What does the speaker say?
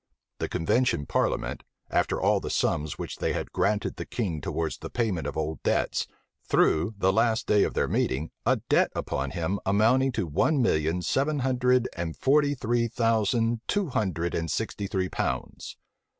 The convention parliament, after all the sums which they had granted the king towards the payment of old debts, threw, the last day of their meeting, a debt upon him amounting to one million seven hundred and forty three thousand two hundred and sixty three pounds.